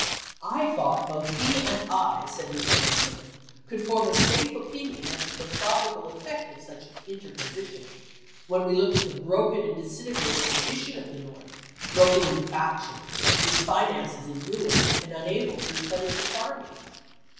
" I thought both he and I," said Mr. Mason, " could form a safe opinion as to the probable effect of such interposition, when we looked at the broken and disintegrated condi tion of the North, broken into factions, its finances in ruins, and unable to replenish its army."